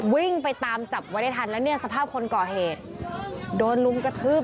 วิ่งไปตามจับไว้ได้ทันแล้วเนี่ยสภาพคนก่อเหตุโดนลุมกระทืบ